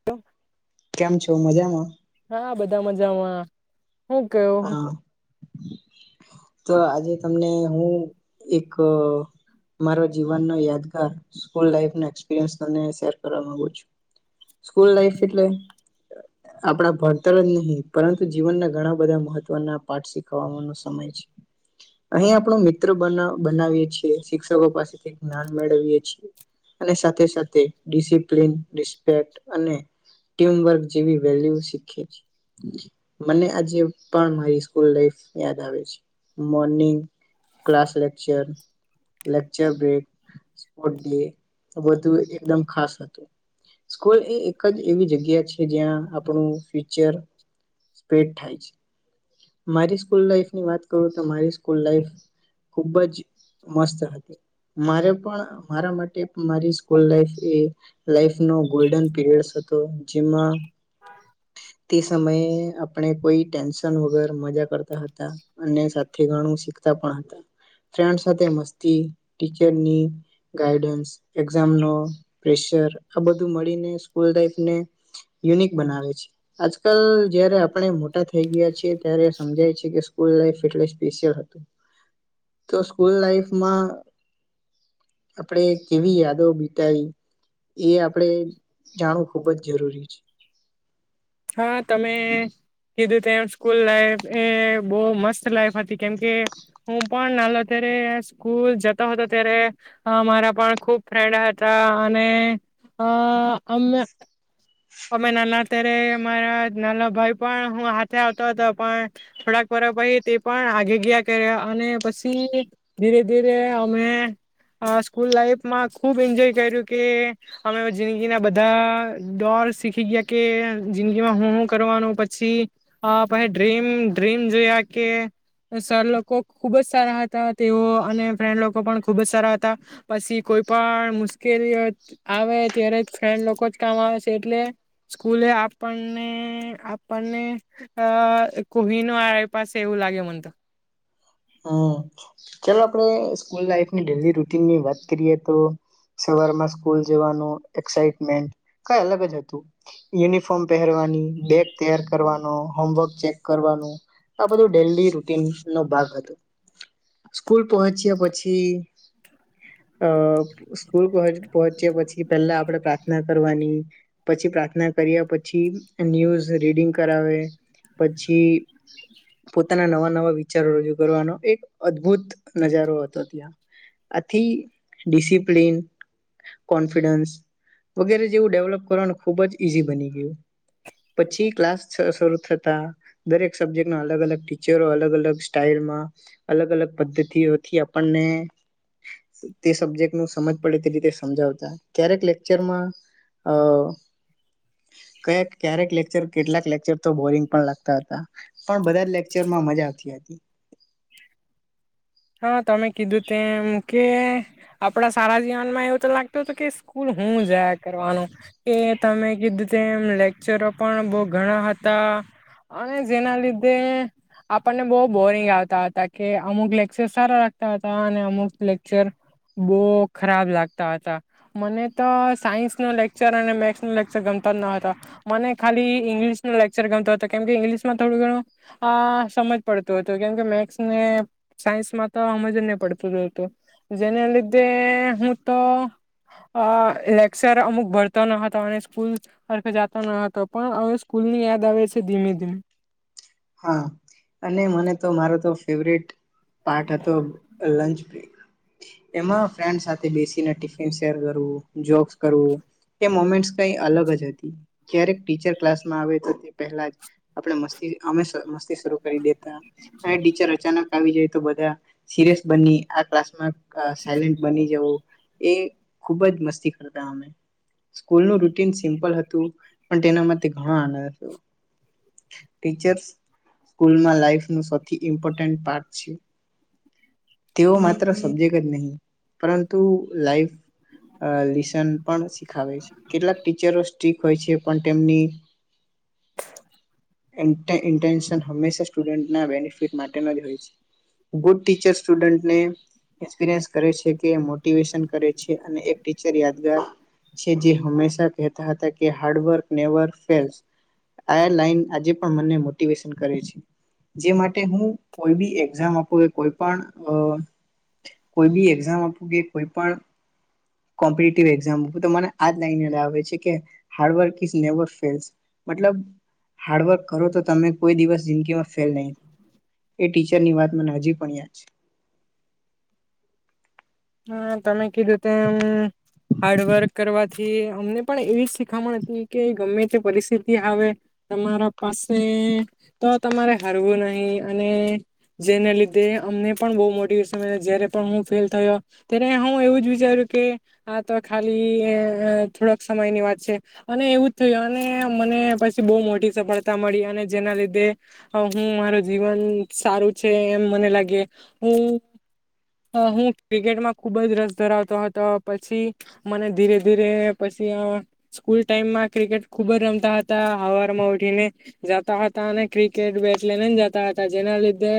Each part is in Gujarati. ટુ કેમ છો, મજામાં. હા, બધા મજામાં. હું કેવો. હા તો આજે તમને હું એક મારા જીવનનો યાદગાર, સ્કૂલ લાઈફનો એક્સપિરીયન્સ તમને શેર કરવા માગુ છું. સ્કૂલ લાઈફ એટલે, આપણા ભણતર જ નહીં, પરંતુ જીવનના ઘણા બધા મહત્વના પાઠ શીખવાનો સમય છે. અહી આપણો મિત્ર બનાવ બનાવીએ છીએ, શિક્ષકો પાસે જ્ઞાન મેળવીએ છીએ. અને સાથે સાથે ડિસિપ્લીન, રિસ્પેક્ટ અને ટીમવર્ક જેવી વેલ્યુ શીખીએ છીએ. મને આજે પણ મારી સ્કૂલ લાઇફ યાદ આવે છે. Morning class lecture, lecture break, spot day એ બધું એકદમ ખાસ હતું. સ્કૂલ એ એક જ એવી જગ્યા છે જ્યાં આપણું ફ્યુચર બિલ્ડ થાય છે. મારી સ્કૂલ લાઈફની વાત કરું, તો મારી સ્કૂલ લાઈફ ખુબ જ મસ્ત હતી. મારે પણ મારા માટે મારી સ્કૂલ લાઈફ એ લાઈફનો ગોલ્ડન પીરયડ હતો, જેમાં તે સમયે આપણે કોઈ ટેન્શન ન વગર મઝા કરતા હતા, અને સાથે ઘણું શીખતા પણ હતા. ફ્રેન્ડ સાથે મસ્તી, ટીચરની ગાઈડન્સ, એક્ઝામનો પ્રેશર આ બધું મળીને સ્કૂલ લાઈફને યુનિક બનાવે છે. આજકાલ જ્યારે આપણે મોટા થઈ ગયા છે, ત્યારે સમજાય છે, કે સ્કૂલ લાઈફ એટલે સ્પેશિયલ હતું. તો સ્કૂલ લાઈફમાં આપણે કેવી યાદો બિતાવી, એ આપણે જાણવું ખૂબ જ જરૂરી છે. હા તમે કીધું તેમ, સ્કૂલ લાઈફ એ બહુ મસ્ત લાઈફ હતી, કેમકે હું પણ નાનો હતો ત્યારે સ્કૂલ જતો હતો, ત્યારે મારા પણ ખુબ ફ્રેન્ડ હતા, અને અ અમે અમે નાના અત્યારે મારા નાના ભાઈ પણ હું હાથે આવતો હતો, પણ થોડાક વરહ પછી તે પણ આઘે ગીયા કર્યા અને પછી ધીરે ધીરે અમે સ્કૂલ લાઈફમાં ખુબ એન્જોય કયરુ, કે અમે જિંદગીના બધા ડોસ શીખી ગયા કે જિંદગીમાં હું હું કરવાનું પછી પછી ડ્રીમ ડ્રીમ જોયા કે સર લોકો ખૂબ જ સારા હતા તેઓ અને ફ્રેન્ડ લોકો પણ ખૂબ જ સારા હતા પછી કોઈ પણ મુશ્કેલી આવે ત્યારે ફ્રેન્ડ લોકો જ કામ આવે છે એટલે સ્કૂલે આપણને આપણને કોહિનો પાસે એવું લાગે મને તો હમ ચાલો આપણે સ્કૂલ લાઈફની ડેલી રૂટીનની વાત કરીએ તો સવારમાં સ્કૂલ જવાનું એક્સાઈટમેન્ટ કઈ અલગ જ હતું યુનિફોર્મ પહેરવાની બેગ તૈયાર કરવાનો હોમવર્ક ચેક કરવાનું આ બધું ડેલી રુટીન નો ભાગ હતો સ્કૂલ પહોંચ્યા પછી અ સ્કૂલ પ પહોચ્યા પછી પહેલા આપણેે પ્રાર્થના કરવાની પછી પ્રાર્થના કર્યા પછી ન્યૂઝ રીડિંગ કરાવે પછી પોતાના નવા નવા વિચારો રજૂ કરવાનો એક અદભુત નજારો હતો ત્યાં આથી ડિસિપ્લિન કોન્ફિડન્સ વગેરે જેવું ડેવલપ કરવાનું ખૂબ જ ઈઝી બની ગયું પછી ક્લાસ શરૂ થતા દરેક સબ્જેક્ટના અલગ અલગ ટીચરો અલગ અલગ સ્ટાઈલમાં અલગ અલગ પદ્ધતિઓથી આપણને તે સબ્જેક્ટ નું સમજ પડે તે રીતે સમજાવતા ક્યારેક લેક્ચરમાં અ કયેક ક્યારેક લેક્ચર કેટલાક લેક્ચર તો બોરિંગ પણ લાગતા હતા પણ બધા જ લેક્ચરમાં મજા આવતી હતી હા તમે કીધું તેમ કે આપડા સારા જીવનમાં એવું તો લાગતું હતું કે સ્કૂલ હું જાય કરવાનું કે તમે કીધું તેમ લેકચરો પણ બહું ઘણા હતા અને જેના લીધે આપણને બઉ બોરિંગ આવતા હતા કે અમુક લેક સારા લાગતા હતા અને અમુક લેક્ચર બહુ ખરાબ લાગતા હતા મને તો સાયન્સ નો લેક્ચર અને મેથસ ન લેક્ચર ગમતા જ ન હતા મને ખાલી ઇંગ્લિશ નું લેક્ચર ગમતો કેમકે ઇંગ્લિશમાં થોડું ઘણું સમજ પડતું હતું કેમકે મેથસને સાયન્સમાં તો હમજ ને પડતું હતુ જેના લીધે હું તો લેક્ચર અમુક ભરતો ન હતો અને સ્કૂલ જતો ન હતો પણ હવે સ્કૂલની યાદ આવે છે ધીમે ધીમે હા અને મને તો મારો તો ફેવરેટ પાર્ટ હતો લન્ચ એમાં ફ્રેન્ડ સાથે બેસીને ટિફિન શેર કરવું જોક કરવું એ મોમેન્ટસ કઈ અલગ જ હતી ક્યારેક ટીચર ક્લાસમાં આવે તો તે પહેલા જ આપણે મસ્તી અમે મસ્તી શરૂ કરી દેતા અને ટીચર અચાનક આવી જાય તો બધા સિરિયસ બની આ ક્લાસમાં સાયલેન્ટ બની જવું એ ખુબ જ મસ્તી કરતા અમે સ્કૂલનું રૂટીન સિમ્પલ હતું પણ તેના માટે ઘણો આનંદ હતો ટીચર્સ સ્કૂલમાં લાઈફ નુ સૌથી ઇમ્પોર્ટન્ટ પાર્ટ છે તેઓ માત્ર સબ્જેક્ટ જ નહી પરંતુ લાઈફ લેસન પણ શીખાવે છે કેટલાક ટીચરો સ્ટિક હોય છે પણ તેમની ઇન્ટે ઇન્ટેનશન હમેશા સ્ટુડન્ટના બેનિફિટ માટેનો જ હોય છે ગુડ ટીચર્સ સ્ટુડન્ટને એક્સપિરિયન્સ કરે છે કે મોટિવેશન કરે છે અને એક ટીચર યાદગાર છે જે હંમેશા કહેતા હતા કે હાર્ડવર્ક નેવર ફેલસ આ લાઈન આજે પણ મને મોટિવેશન કરે છે જે માટે હું કોઈ બી એક્ઝામ આપું કે કોઈ પણ અ કોઈ બી એક્ઝામ આપું કે કોઈ પણ કોમ્પિટીટીવ એક્ઝામ તો મને આજ લાઇન યાદ આવે છે કે હાર્ડવર્ક ઇસ નેવર ફેલ્સ મતલબ હાર્ડવર્ક કરો તો તમે કોઈ દિવસ જિંદગીમાં ફેલ નહીં થાવ. એ ટીચરની વાત મને હજી પણ યાદ છે હા તમે કીધું તેમ હાર્ડવર્ક કરવા થી અમને પણ એવી શીખામણ હતી કે ગમે તે પરિસ્થિતિ આવે તમારા પાસે તો તમારે હારવું નહી અને જેને લીધે અમને પણ બહુ મોટિવેશન મળ્યું જ્યારે પણ હું ફેલ થયો. ત્યારે હું એવું જ વિચાર્યું કે આ તો ખાલી થોડાક સમયની વાત છે અને એવું જ થયું અને મને પછી બહુ મોટી સફળતા મળી અને જેના લીધે હું મારું જીવન સારું છે એમ મને લાગે હું અ હું ક્રિકેટમાં ખુબ જ રસ ધરાવતો હતો પછી મને ધીરે ધીરે પછી આવા સ્કૂલ ટાઈમમાં ક્રિકેટ ખુબ જ રમતા હતા હવારમાં ઉઠીને જતા હતા અને ક્રિકેટ બેટ લઈને જતા હતા જેના લીધે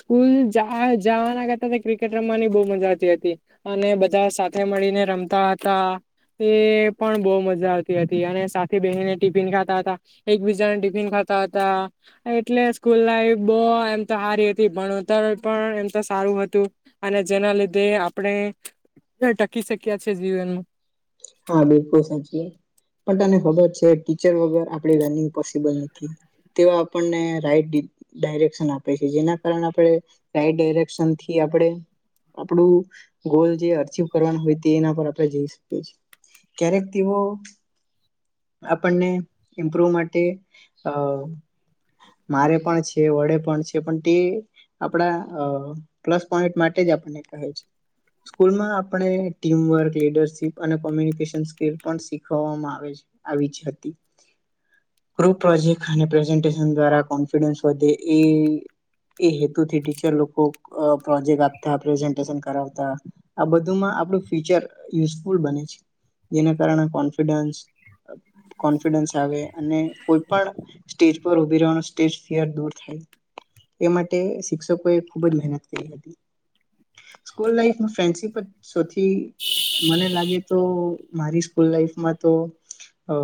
સ્કૂલ જા જવાના કરતા ક્રિકેટ રમવાની બ મજા આવતી હતી અને બધા સાથે મળીને રમતા હતા એ પણ બહુ મજા આવતી હતી અને સાથી બેહીને ટિફિન ખાતા હતા એકબીજાને ટિફિન ખાતા હતા એટલે સ્કૂલ લાઈફ બહ એમ તો સારી હતી ભણતર પણ એમ તો સારું હતું અને જેના લીધે આપણે ટકી શક્યા છેએ જીવનમાં હા બિલકુલ સાચી વાત પણ તને ખબર છે ટીચર વગર આપડી રનિંગ પોસિબલ નથી તેઓ આપણને રાઈટ ડાયરેક્શન આપે છે જેના કારણે આપણે રાઈટ ડાયરેક્શનથી આપણે આપણું ગોલ જે અચીવ કરવાનું હોય તે એના પર આપણે જઈ શકીએ છીએ. ક્યારણ કે તેઓ આપને ઇમ્પ્રુવ માટે અ મારે પણ છે વઢે પણ છે પણ તે આપણા પ્લસ પોન્ટ માટે આપને કહે છે સ્કુલ મા આપણે ટીમવર્ક લીડરશીપ અને કોમ્યુનિકેશન સ્કીલ પણ શીખવવામાંઆવે છે આવી્ [inaudible] ગ્રુપ પ્રોજેક્ટ અને પ્રેઝન્ટેશન દ્વારા કોન્ફિડન્સ વધે એ એ હેતુથી ટીચર લોકો પ્રોજેક્ટ આપતા પ્રેઝન્ટેશન કરાવતા આ બઘુમા આપડુ ફ્યુચર યુઝફુલ બને છે. જેના કારણે કોન્ફિડન્સ કોન્ફિડન્સ આવે અને કોઈ પણ સ્ટેજ પર ઉભીરેવાનુ સ્ટેજ ફીયર દૂર થાય એ માટે શિક્ષકો એ ખુબ જ મહેનત કરી હતી સ્કૂલ લાઈફ ફ્રેન્ડશીપ જ સૌથી મને લાગે. તો મારી સ્કૂલ લાઈફમાં તો અ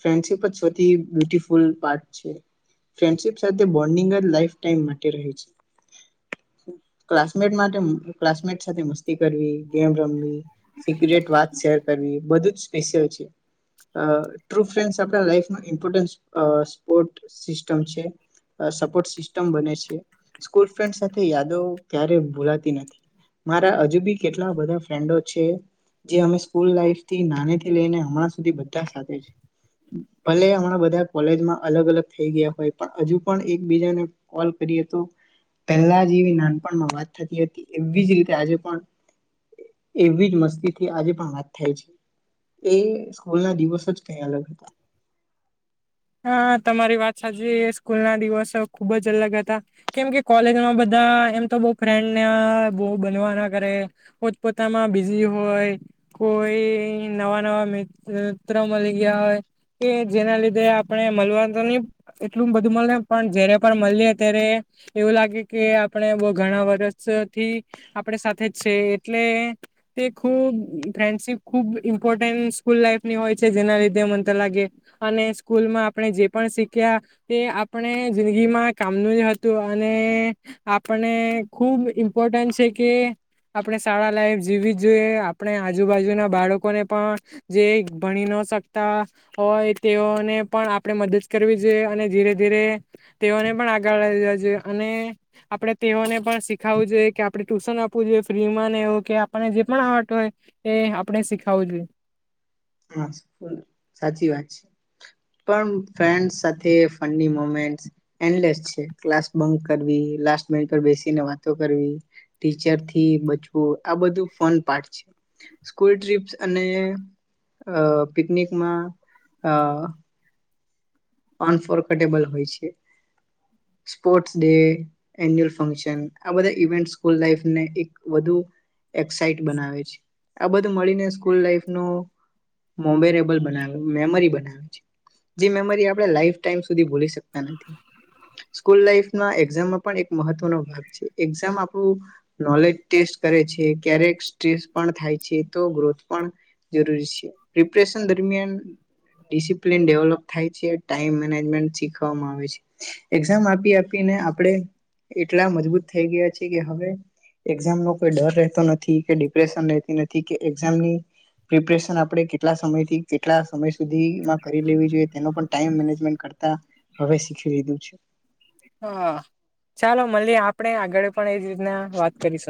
ફ્રેન્ડશિપ જ સૌથી બ્યુટફુલ પાર્ટ છે ફ્રેન્ડશીપ સાથે બોન્ડિંગ જ લાઈફ ટાઈમ માટે રહે છે ક્લાસમેટ માટે ક્લાસમેટ સાથે મસ્તી કરવી ગેમ રમવી સિક્રેટ વાત શેર કરવી બધું જ સ્પેશિયલ છે અ ટ્રુ ફ્રેન્ડ્સ આપડા લાઈફમાં ઈમ્પોર્ટન્સ અ સપોર્ટ સિસ્ટમ છે સપોર્ટ સિસ્ટમ બને છે સ્કૂલ ફ્રેન્ડ સાથે યાદો ક્યારે ભૂલાતી નથી મારા હજુ બી કેટલા બધા ફ્રેન્ડો છે જે અમે સ સકુલ લાઈફ થી નાનેથી લઈને હમણાં સુધી બધા સાથે છે ભલે હમણાં બધા કોલેજમાં અલગ અલગ થઈ ગયા હોય પણ હજુ પણ એકબીજાને કોલ કરીએ તો પહેલા જે એવી નાનપણમાં વાત થતી હતી એવી જ રીતે આજે પણ એવી જ મસ્તીથી આજે પણ વાત. થાય છે એ સ્કૂલ ના દિવસ જ કઈ અલગ હતા. હા તમારી વાત સાચી સ્કૂલ ના દિવસ ખુબ જ અલગ હતા કેમ કે કોલેજમાં બધા એમ તો બો ફ્રેન્ડને બો બનવા ના કરે પોતપોતામાં બિઝી હોય કોઈ નવા નવા મિત્ર મલી ગયા હોય કે જેના લીધે આ. આપણે મલવા તો ની એટલું બધું મળે પણ જયારે પણ મળીએ ત્યારે એવું લાગે કે આપણે બો ઘણા વર્ષ થી આપણે સાથે જ છે એટલે તે ખુબ ફ્રેન્ડશીપ ખુબ ઇમ્પોર્ટન્ટ સ્કૂલ લાઈફ ની હોય છે જેના લીધે મનતા લાગે અને સ્કૂલમાં આપણે જે પણ શીખ્યા એ આપણે જિંદગીમાં કામનું જ હતું અને આપણે ખૂબ ઇમ્પોર્ટન્ટ છે કે આપણે સારા લાઈફ જીવી જ જોઈએ આપણે આજુબાજુના બાળકોને પણ જે ભણી ન શકતા હોય તેઓને પણ આપણે મદદ કરવી જોઈએ અને ધીરે ધીરે તેઓને પણ આગળ [inaudible] જોઈએ અને આપણે તેઓને પણ શીખાવવું જોઈએ કે આપણે ટ્યુશન આપવું જોઈએ ફ્રીમાં ને એવુ કે આપણને જે પણ આવડતું હોય એ આપડે શીખાવું જોઈએ. હા સાચી વાત છે પણ ફ્રેન્ડ્સ સાથે ફનની મોમેન્ટ એનડલેસ છે ક્લાસ બંક કરવી લાસ્ટ બૈંચ પર બેસી ને વાતો કરવી ટીચરથી બચવું આ બધું ફન પાર્ટ છે સ્કૂલ ટ્રીપ્સ અને અ પિકનિકમાં અ અન ફર્ગો ટેબલ હોય છે સ્પોર્ટ ડે એન્યુઅલ ફંક્શન આ બધા ઇવેન્ટ્સ હોલ લાઈફને એક વધુ એક્સાઈટ બનાવે છે આ બધું મળીને સ્કૂલ લાઈફનો મોમેરેબલ મેમરી બનાવે છે, જે મેમરી આપ લાઈફ ટાઈમ સુધી ભૂલી શકતા નથી સ્કૂલ લાઈફમાં એકઝામમાં પણ એક મહત્વનો ભાગ છે એક્ઝામ આપણું નોલેજ ટેસ્ટ કરે છે ક્યારેક સ્ટ્રેસ પણ થાય છે તો ગ્રોથ પણ જરૂરી છે પ્રીપેરેશન દરમિયાન ડિસિપ્લિન ડેવલોપ થાય છે. ટાઈમ મેનેજમેન્ટ શીખવામાં આવે છે એક્ઝામ આપી આપીને આપણે એટલા મજબૂત થઈ ગયા છે કે હવે એક્ઝામનો કોઈ ડર રહેતો નથી કે ડિપ્રેશન રહેતી નથી કે એક્ઝામની પ્રિપરેેશન આપણે કેટલા સમયથી કેટલા સમય સુ સુધી માં કરી લેવી જોઈએ તેનો પણ કરતા હવે સીખી લીધું છે. હા, ચાલો મલીએ આપણેે આગળ પણ એજ રી વાત કરીશ